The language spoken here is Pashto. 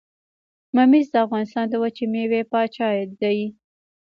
ممیز د افغانستان د وچې میوې پاچا دي.